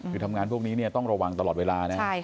คือทำงานพวกนี้ต้องระวังตลอดเวลานะ